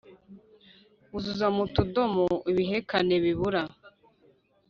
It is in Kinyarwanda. Uzuza mu tudomo ibihekane bibura